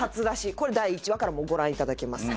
これ第１話からご覧いただけます。